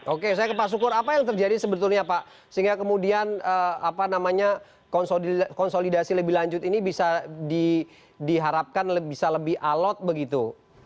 oke saya ke pak sukur apa yang terjadi sebetulnya pak sehingga kemudian konsolidasi lebih lanjut ini bisa diharapkan bisa lebih alot begitu